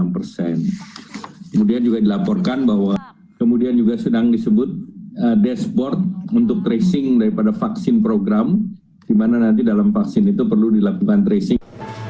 kemudian juga dilaporkan bahwa kemudian juga sedang disebut dashboard untuk tracing daripada vaksin program di mana nanti dalam vaksin itu perlu dilakukan tracing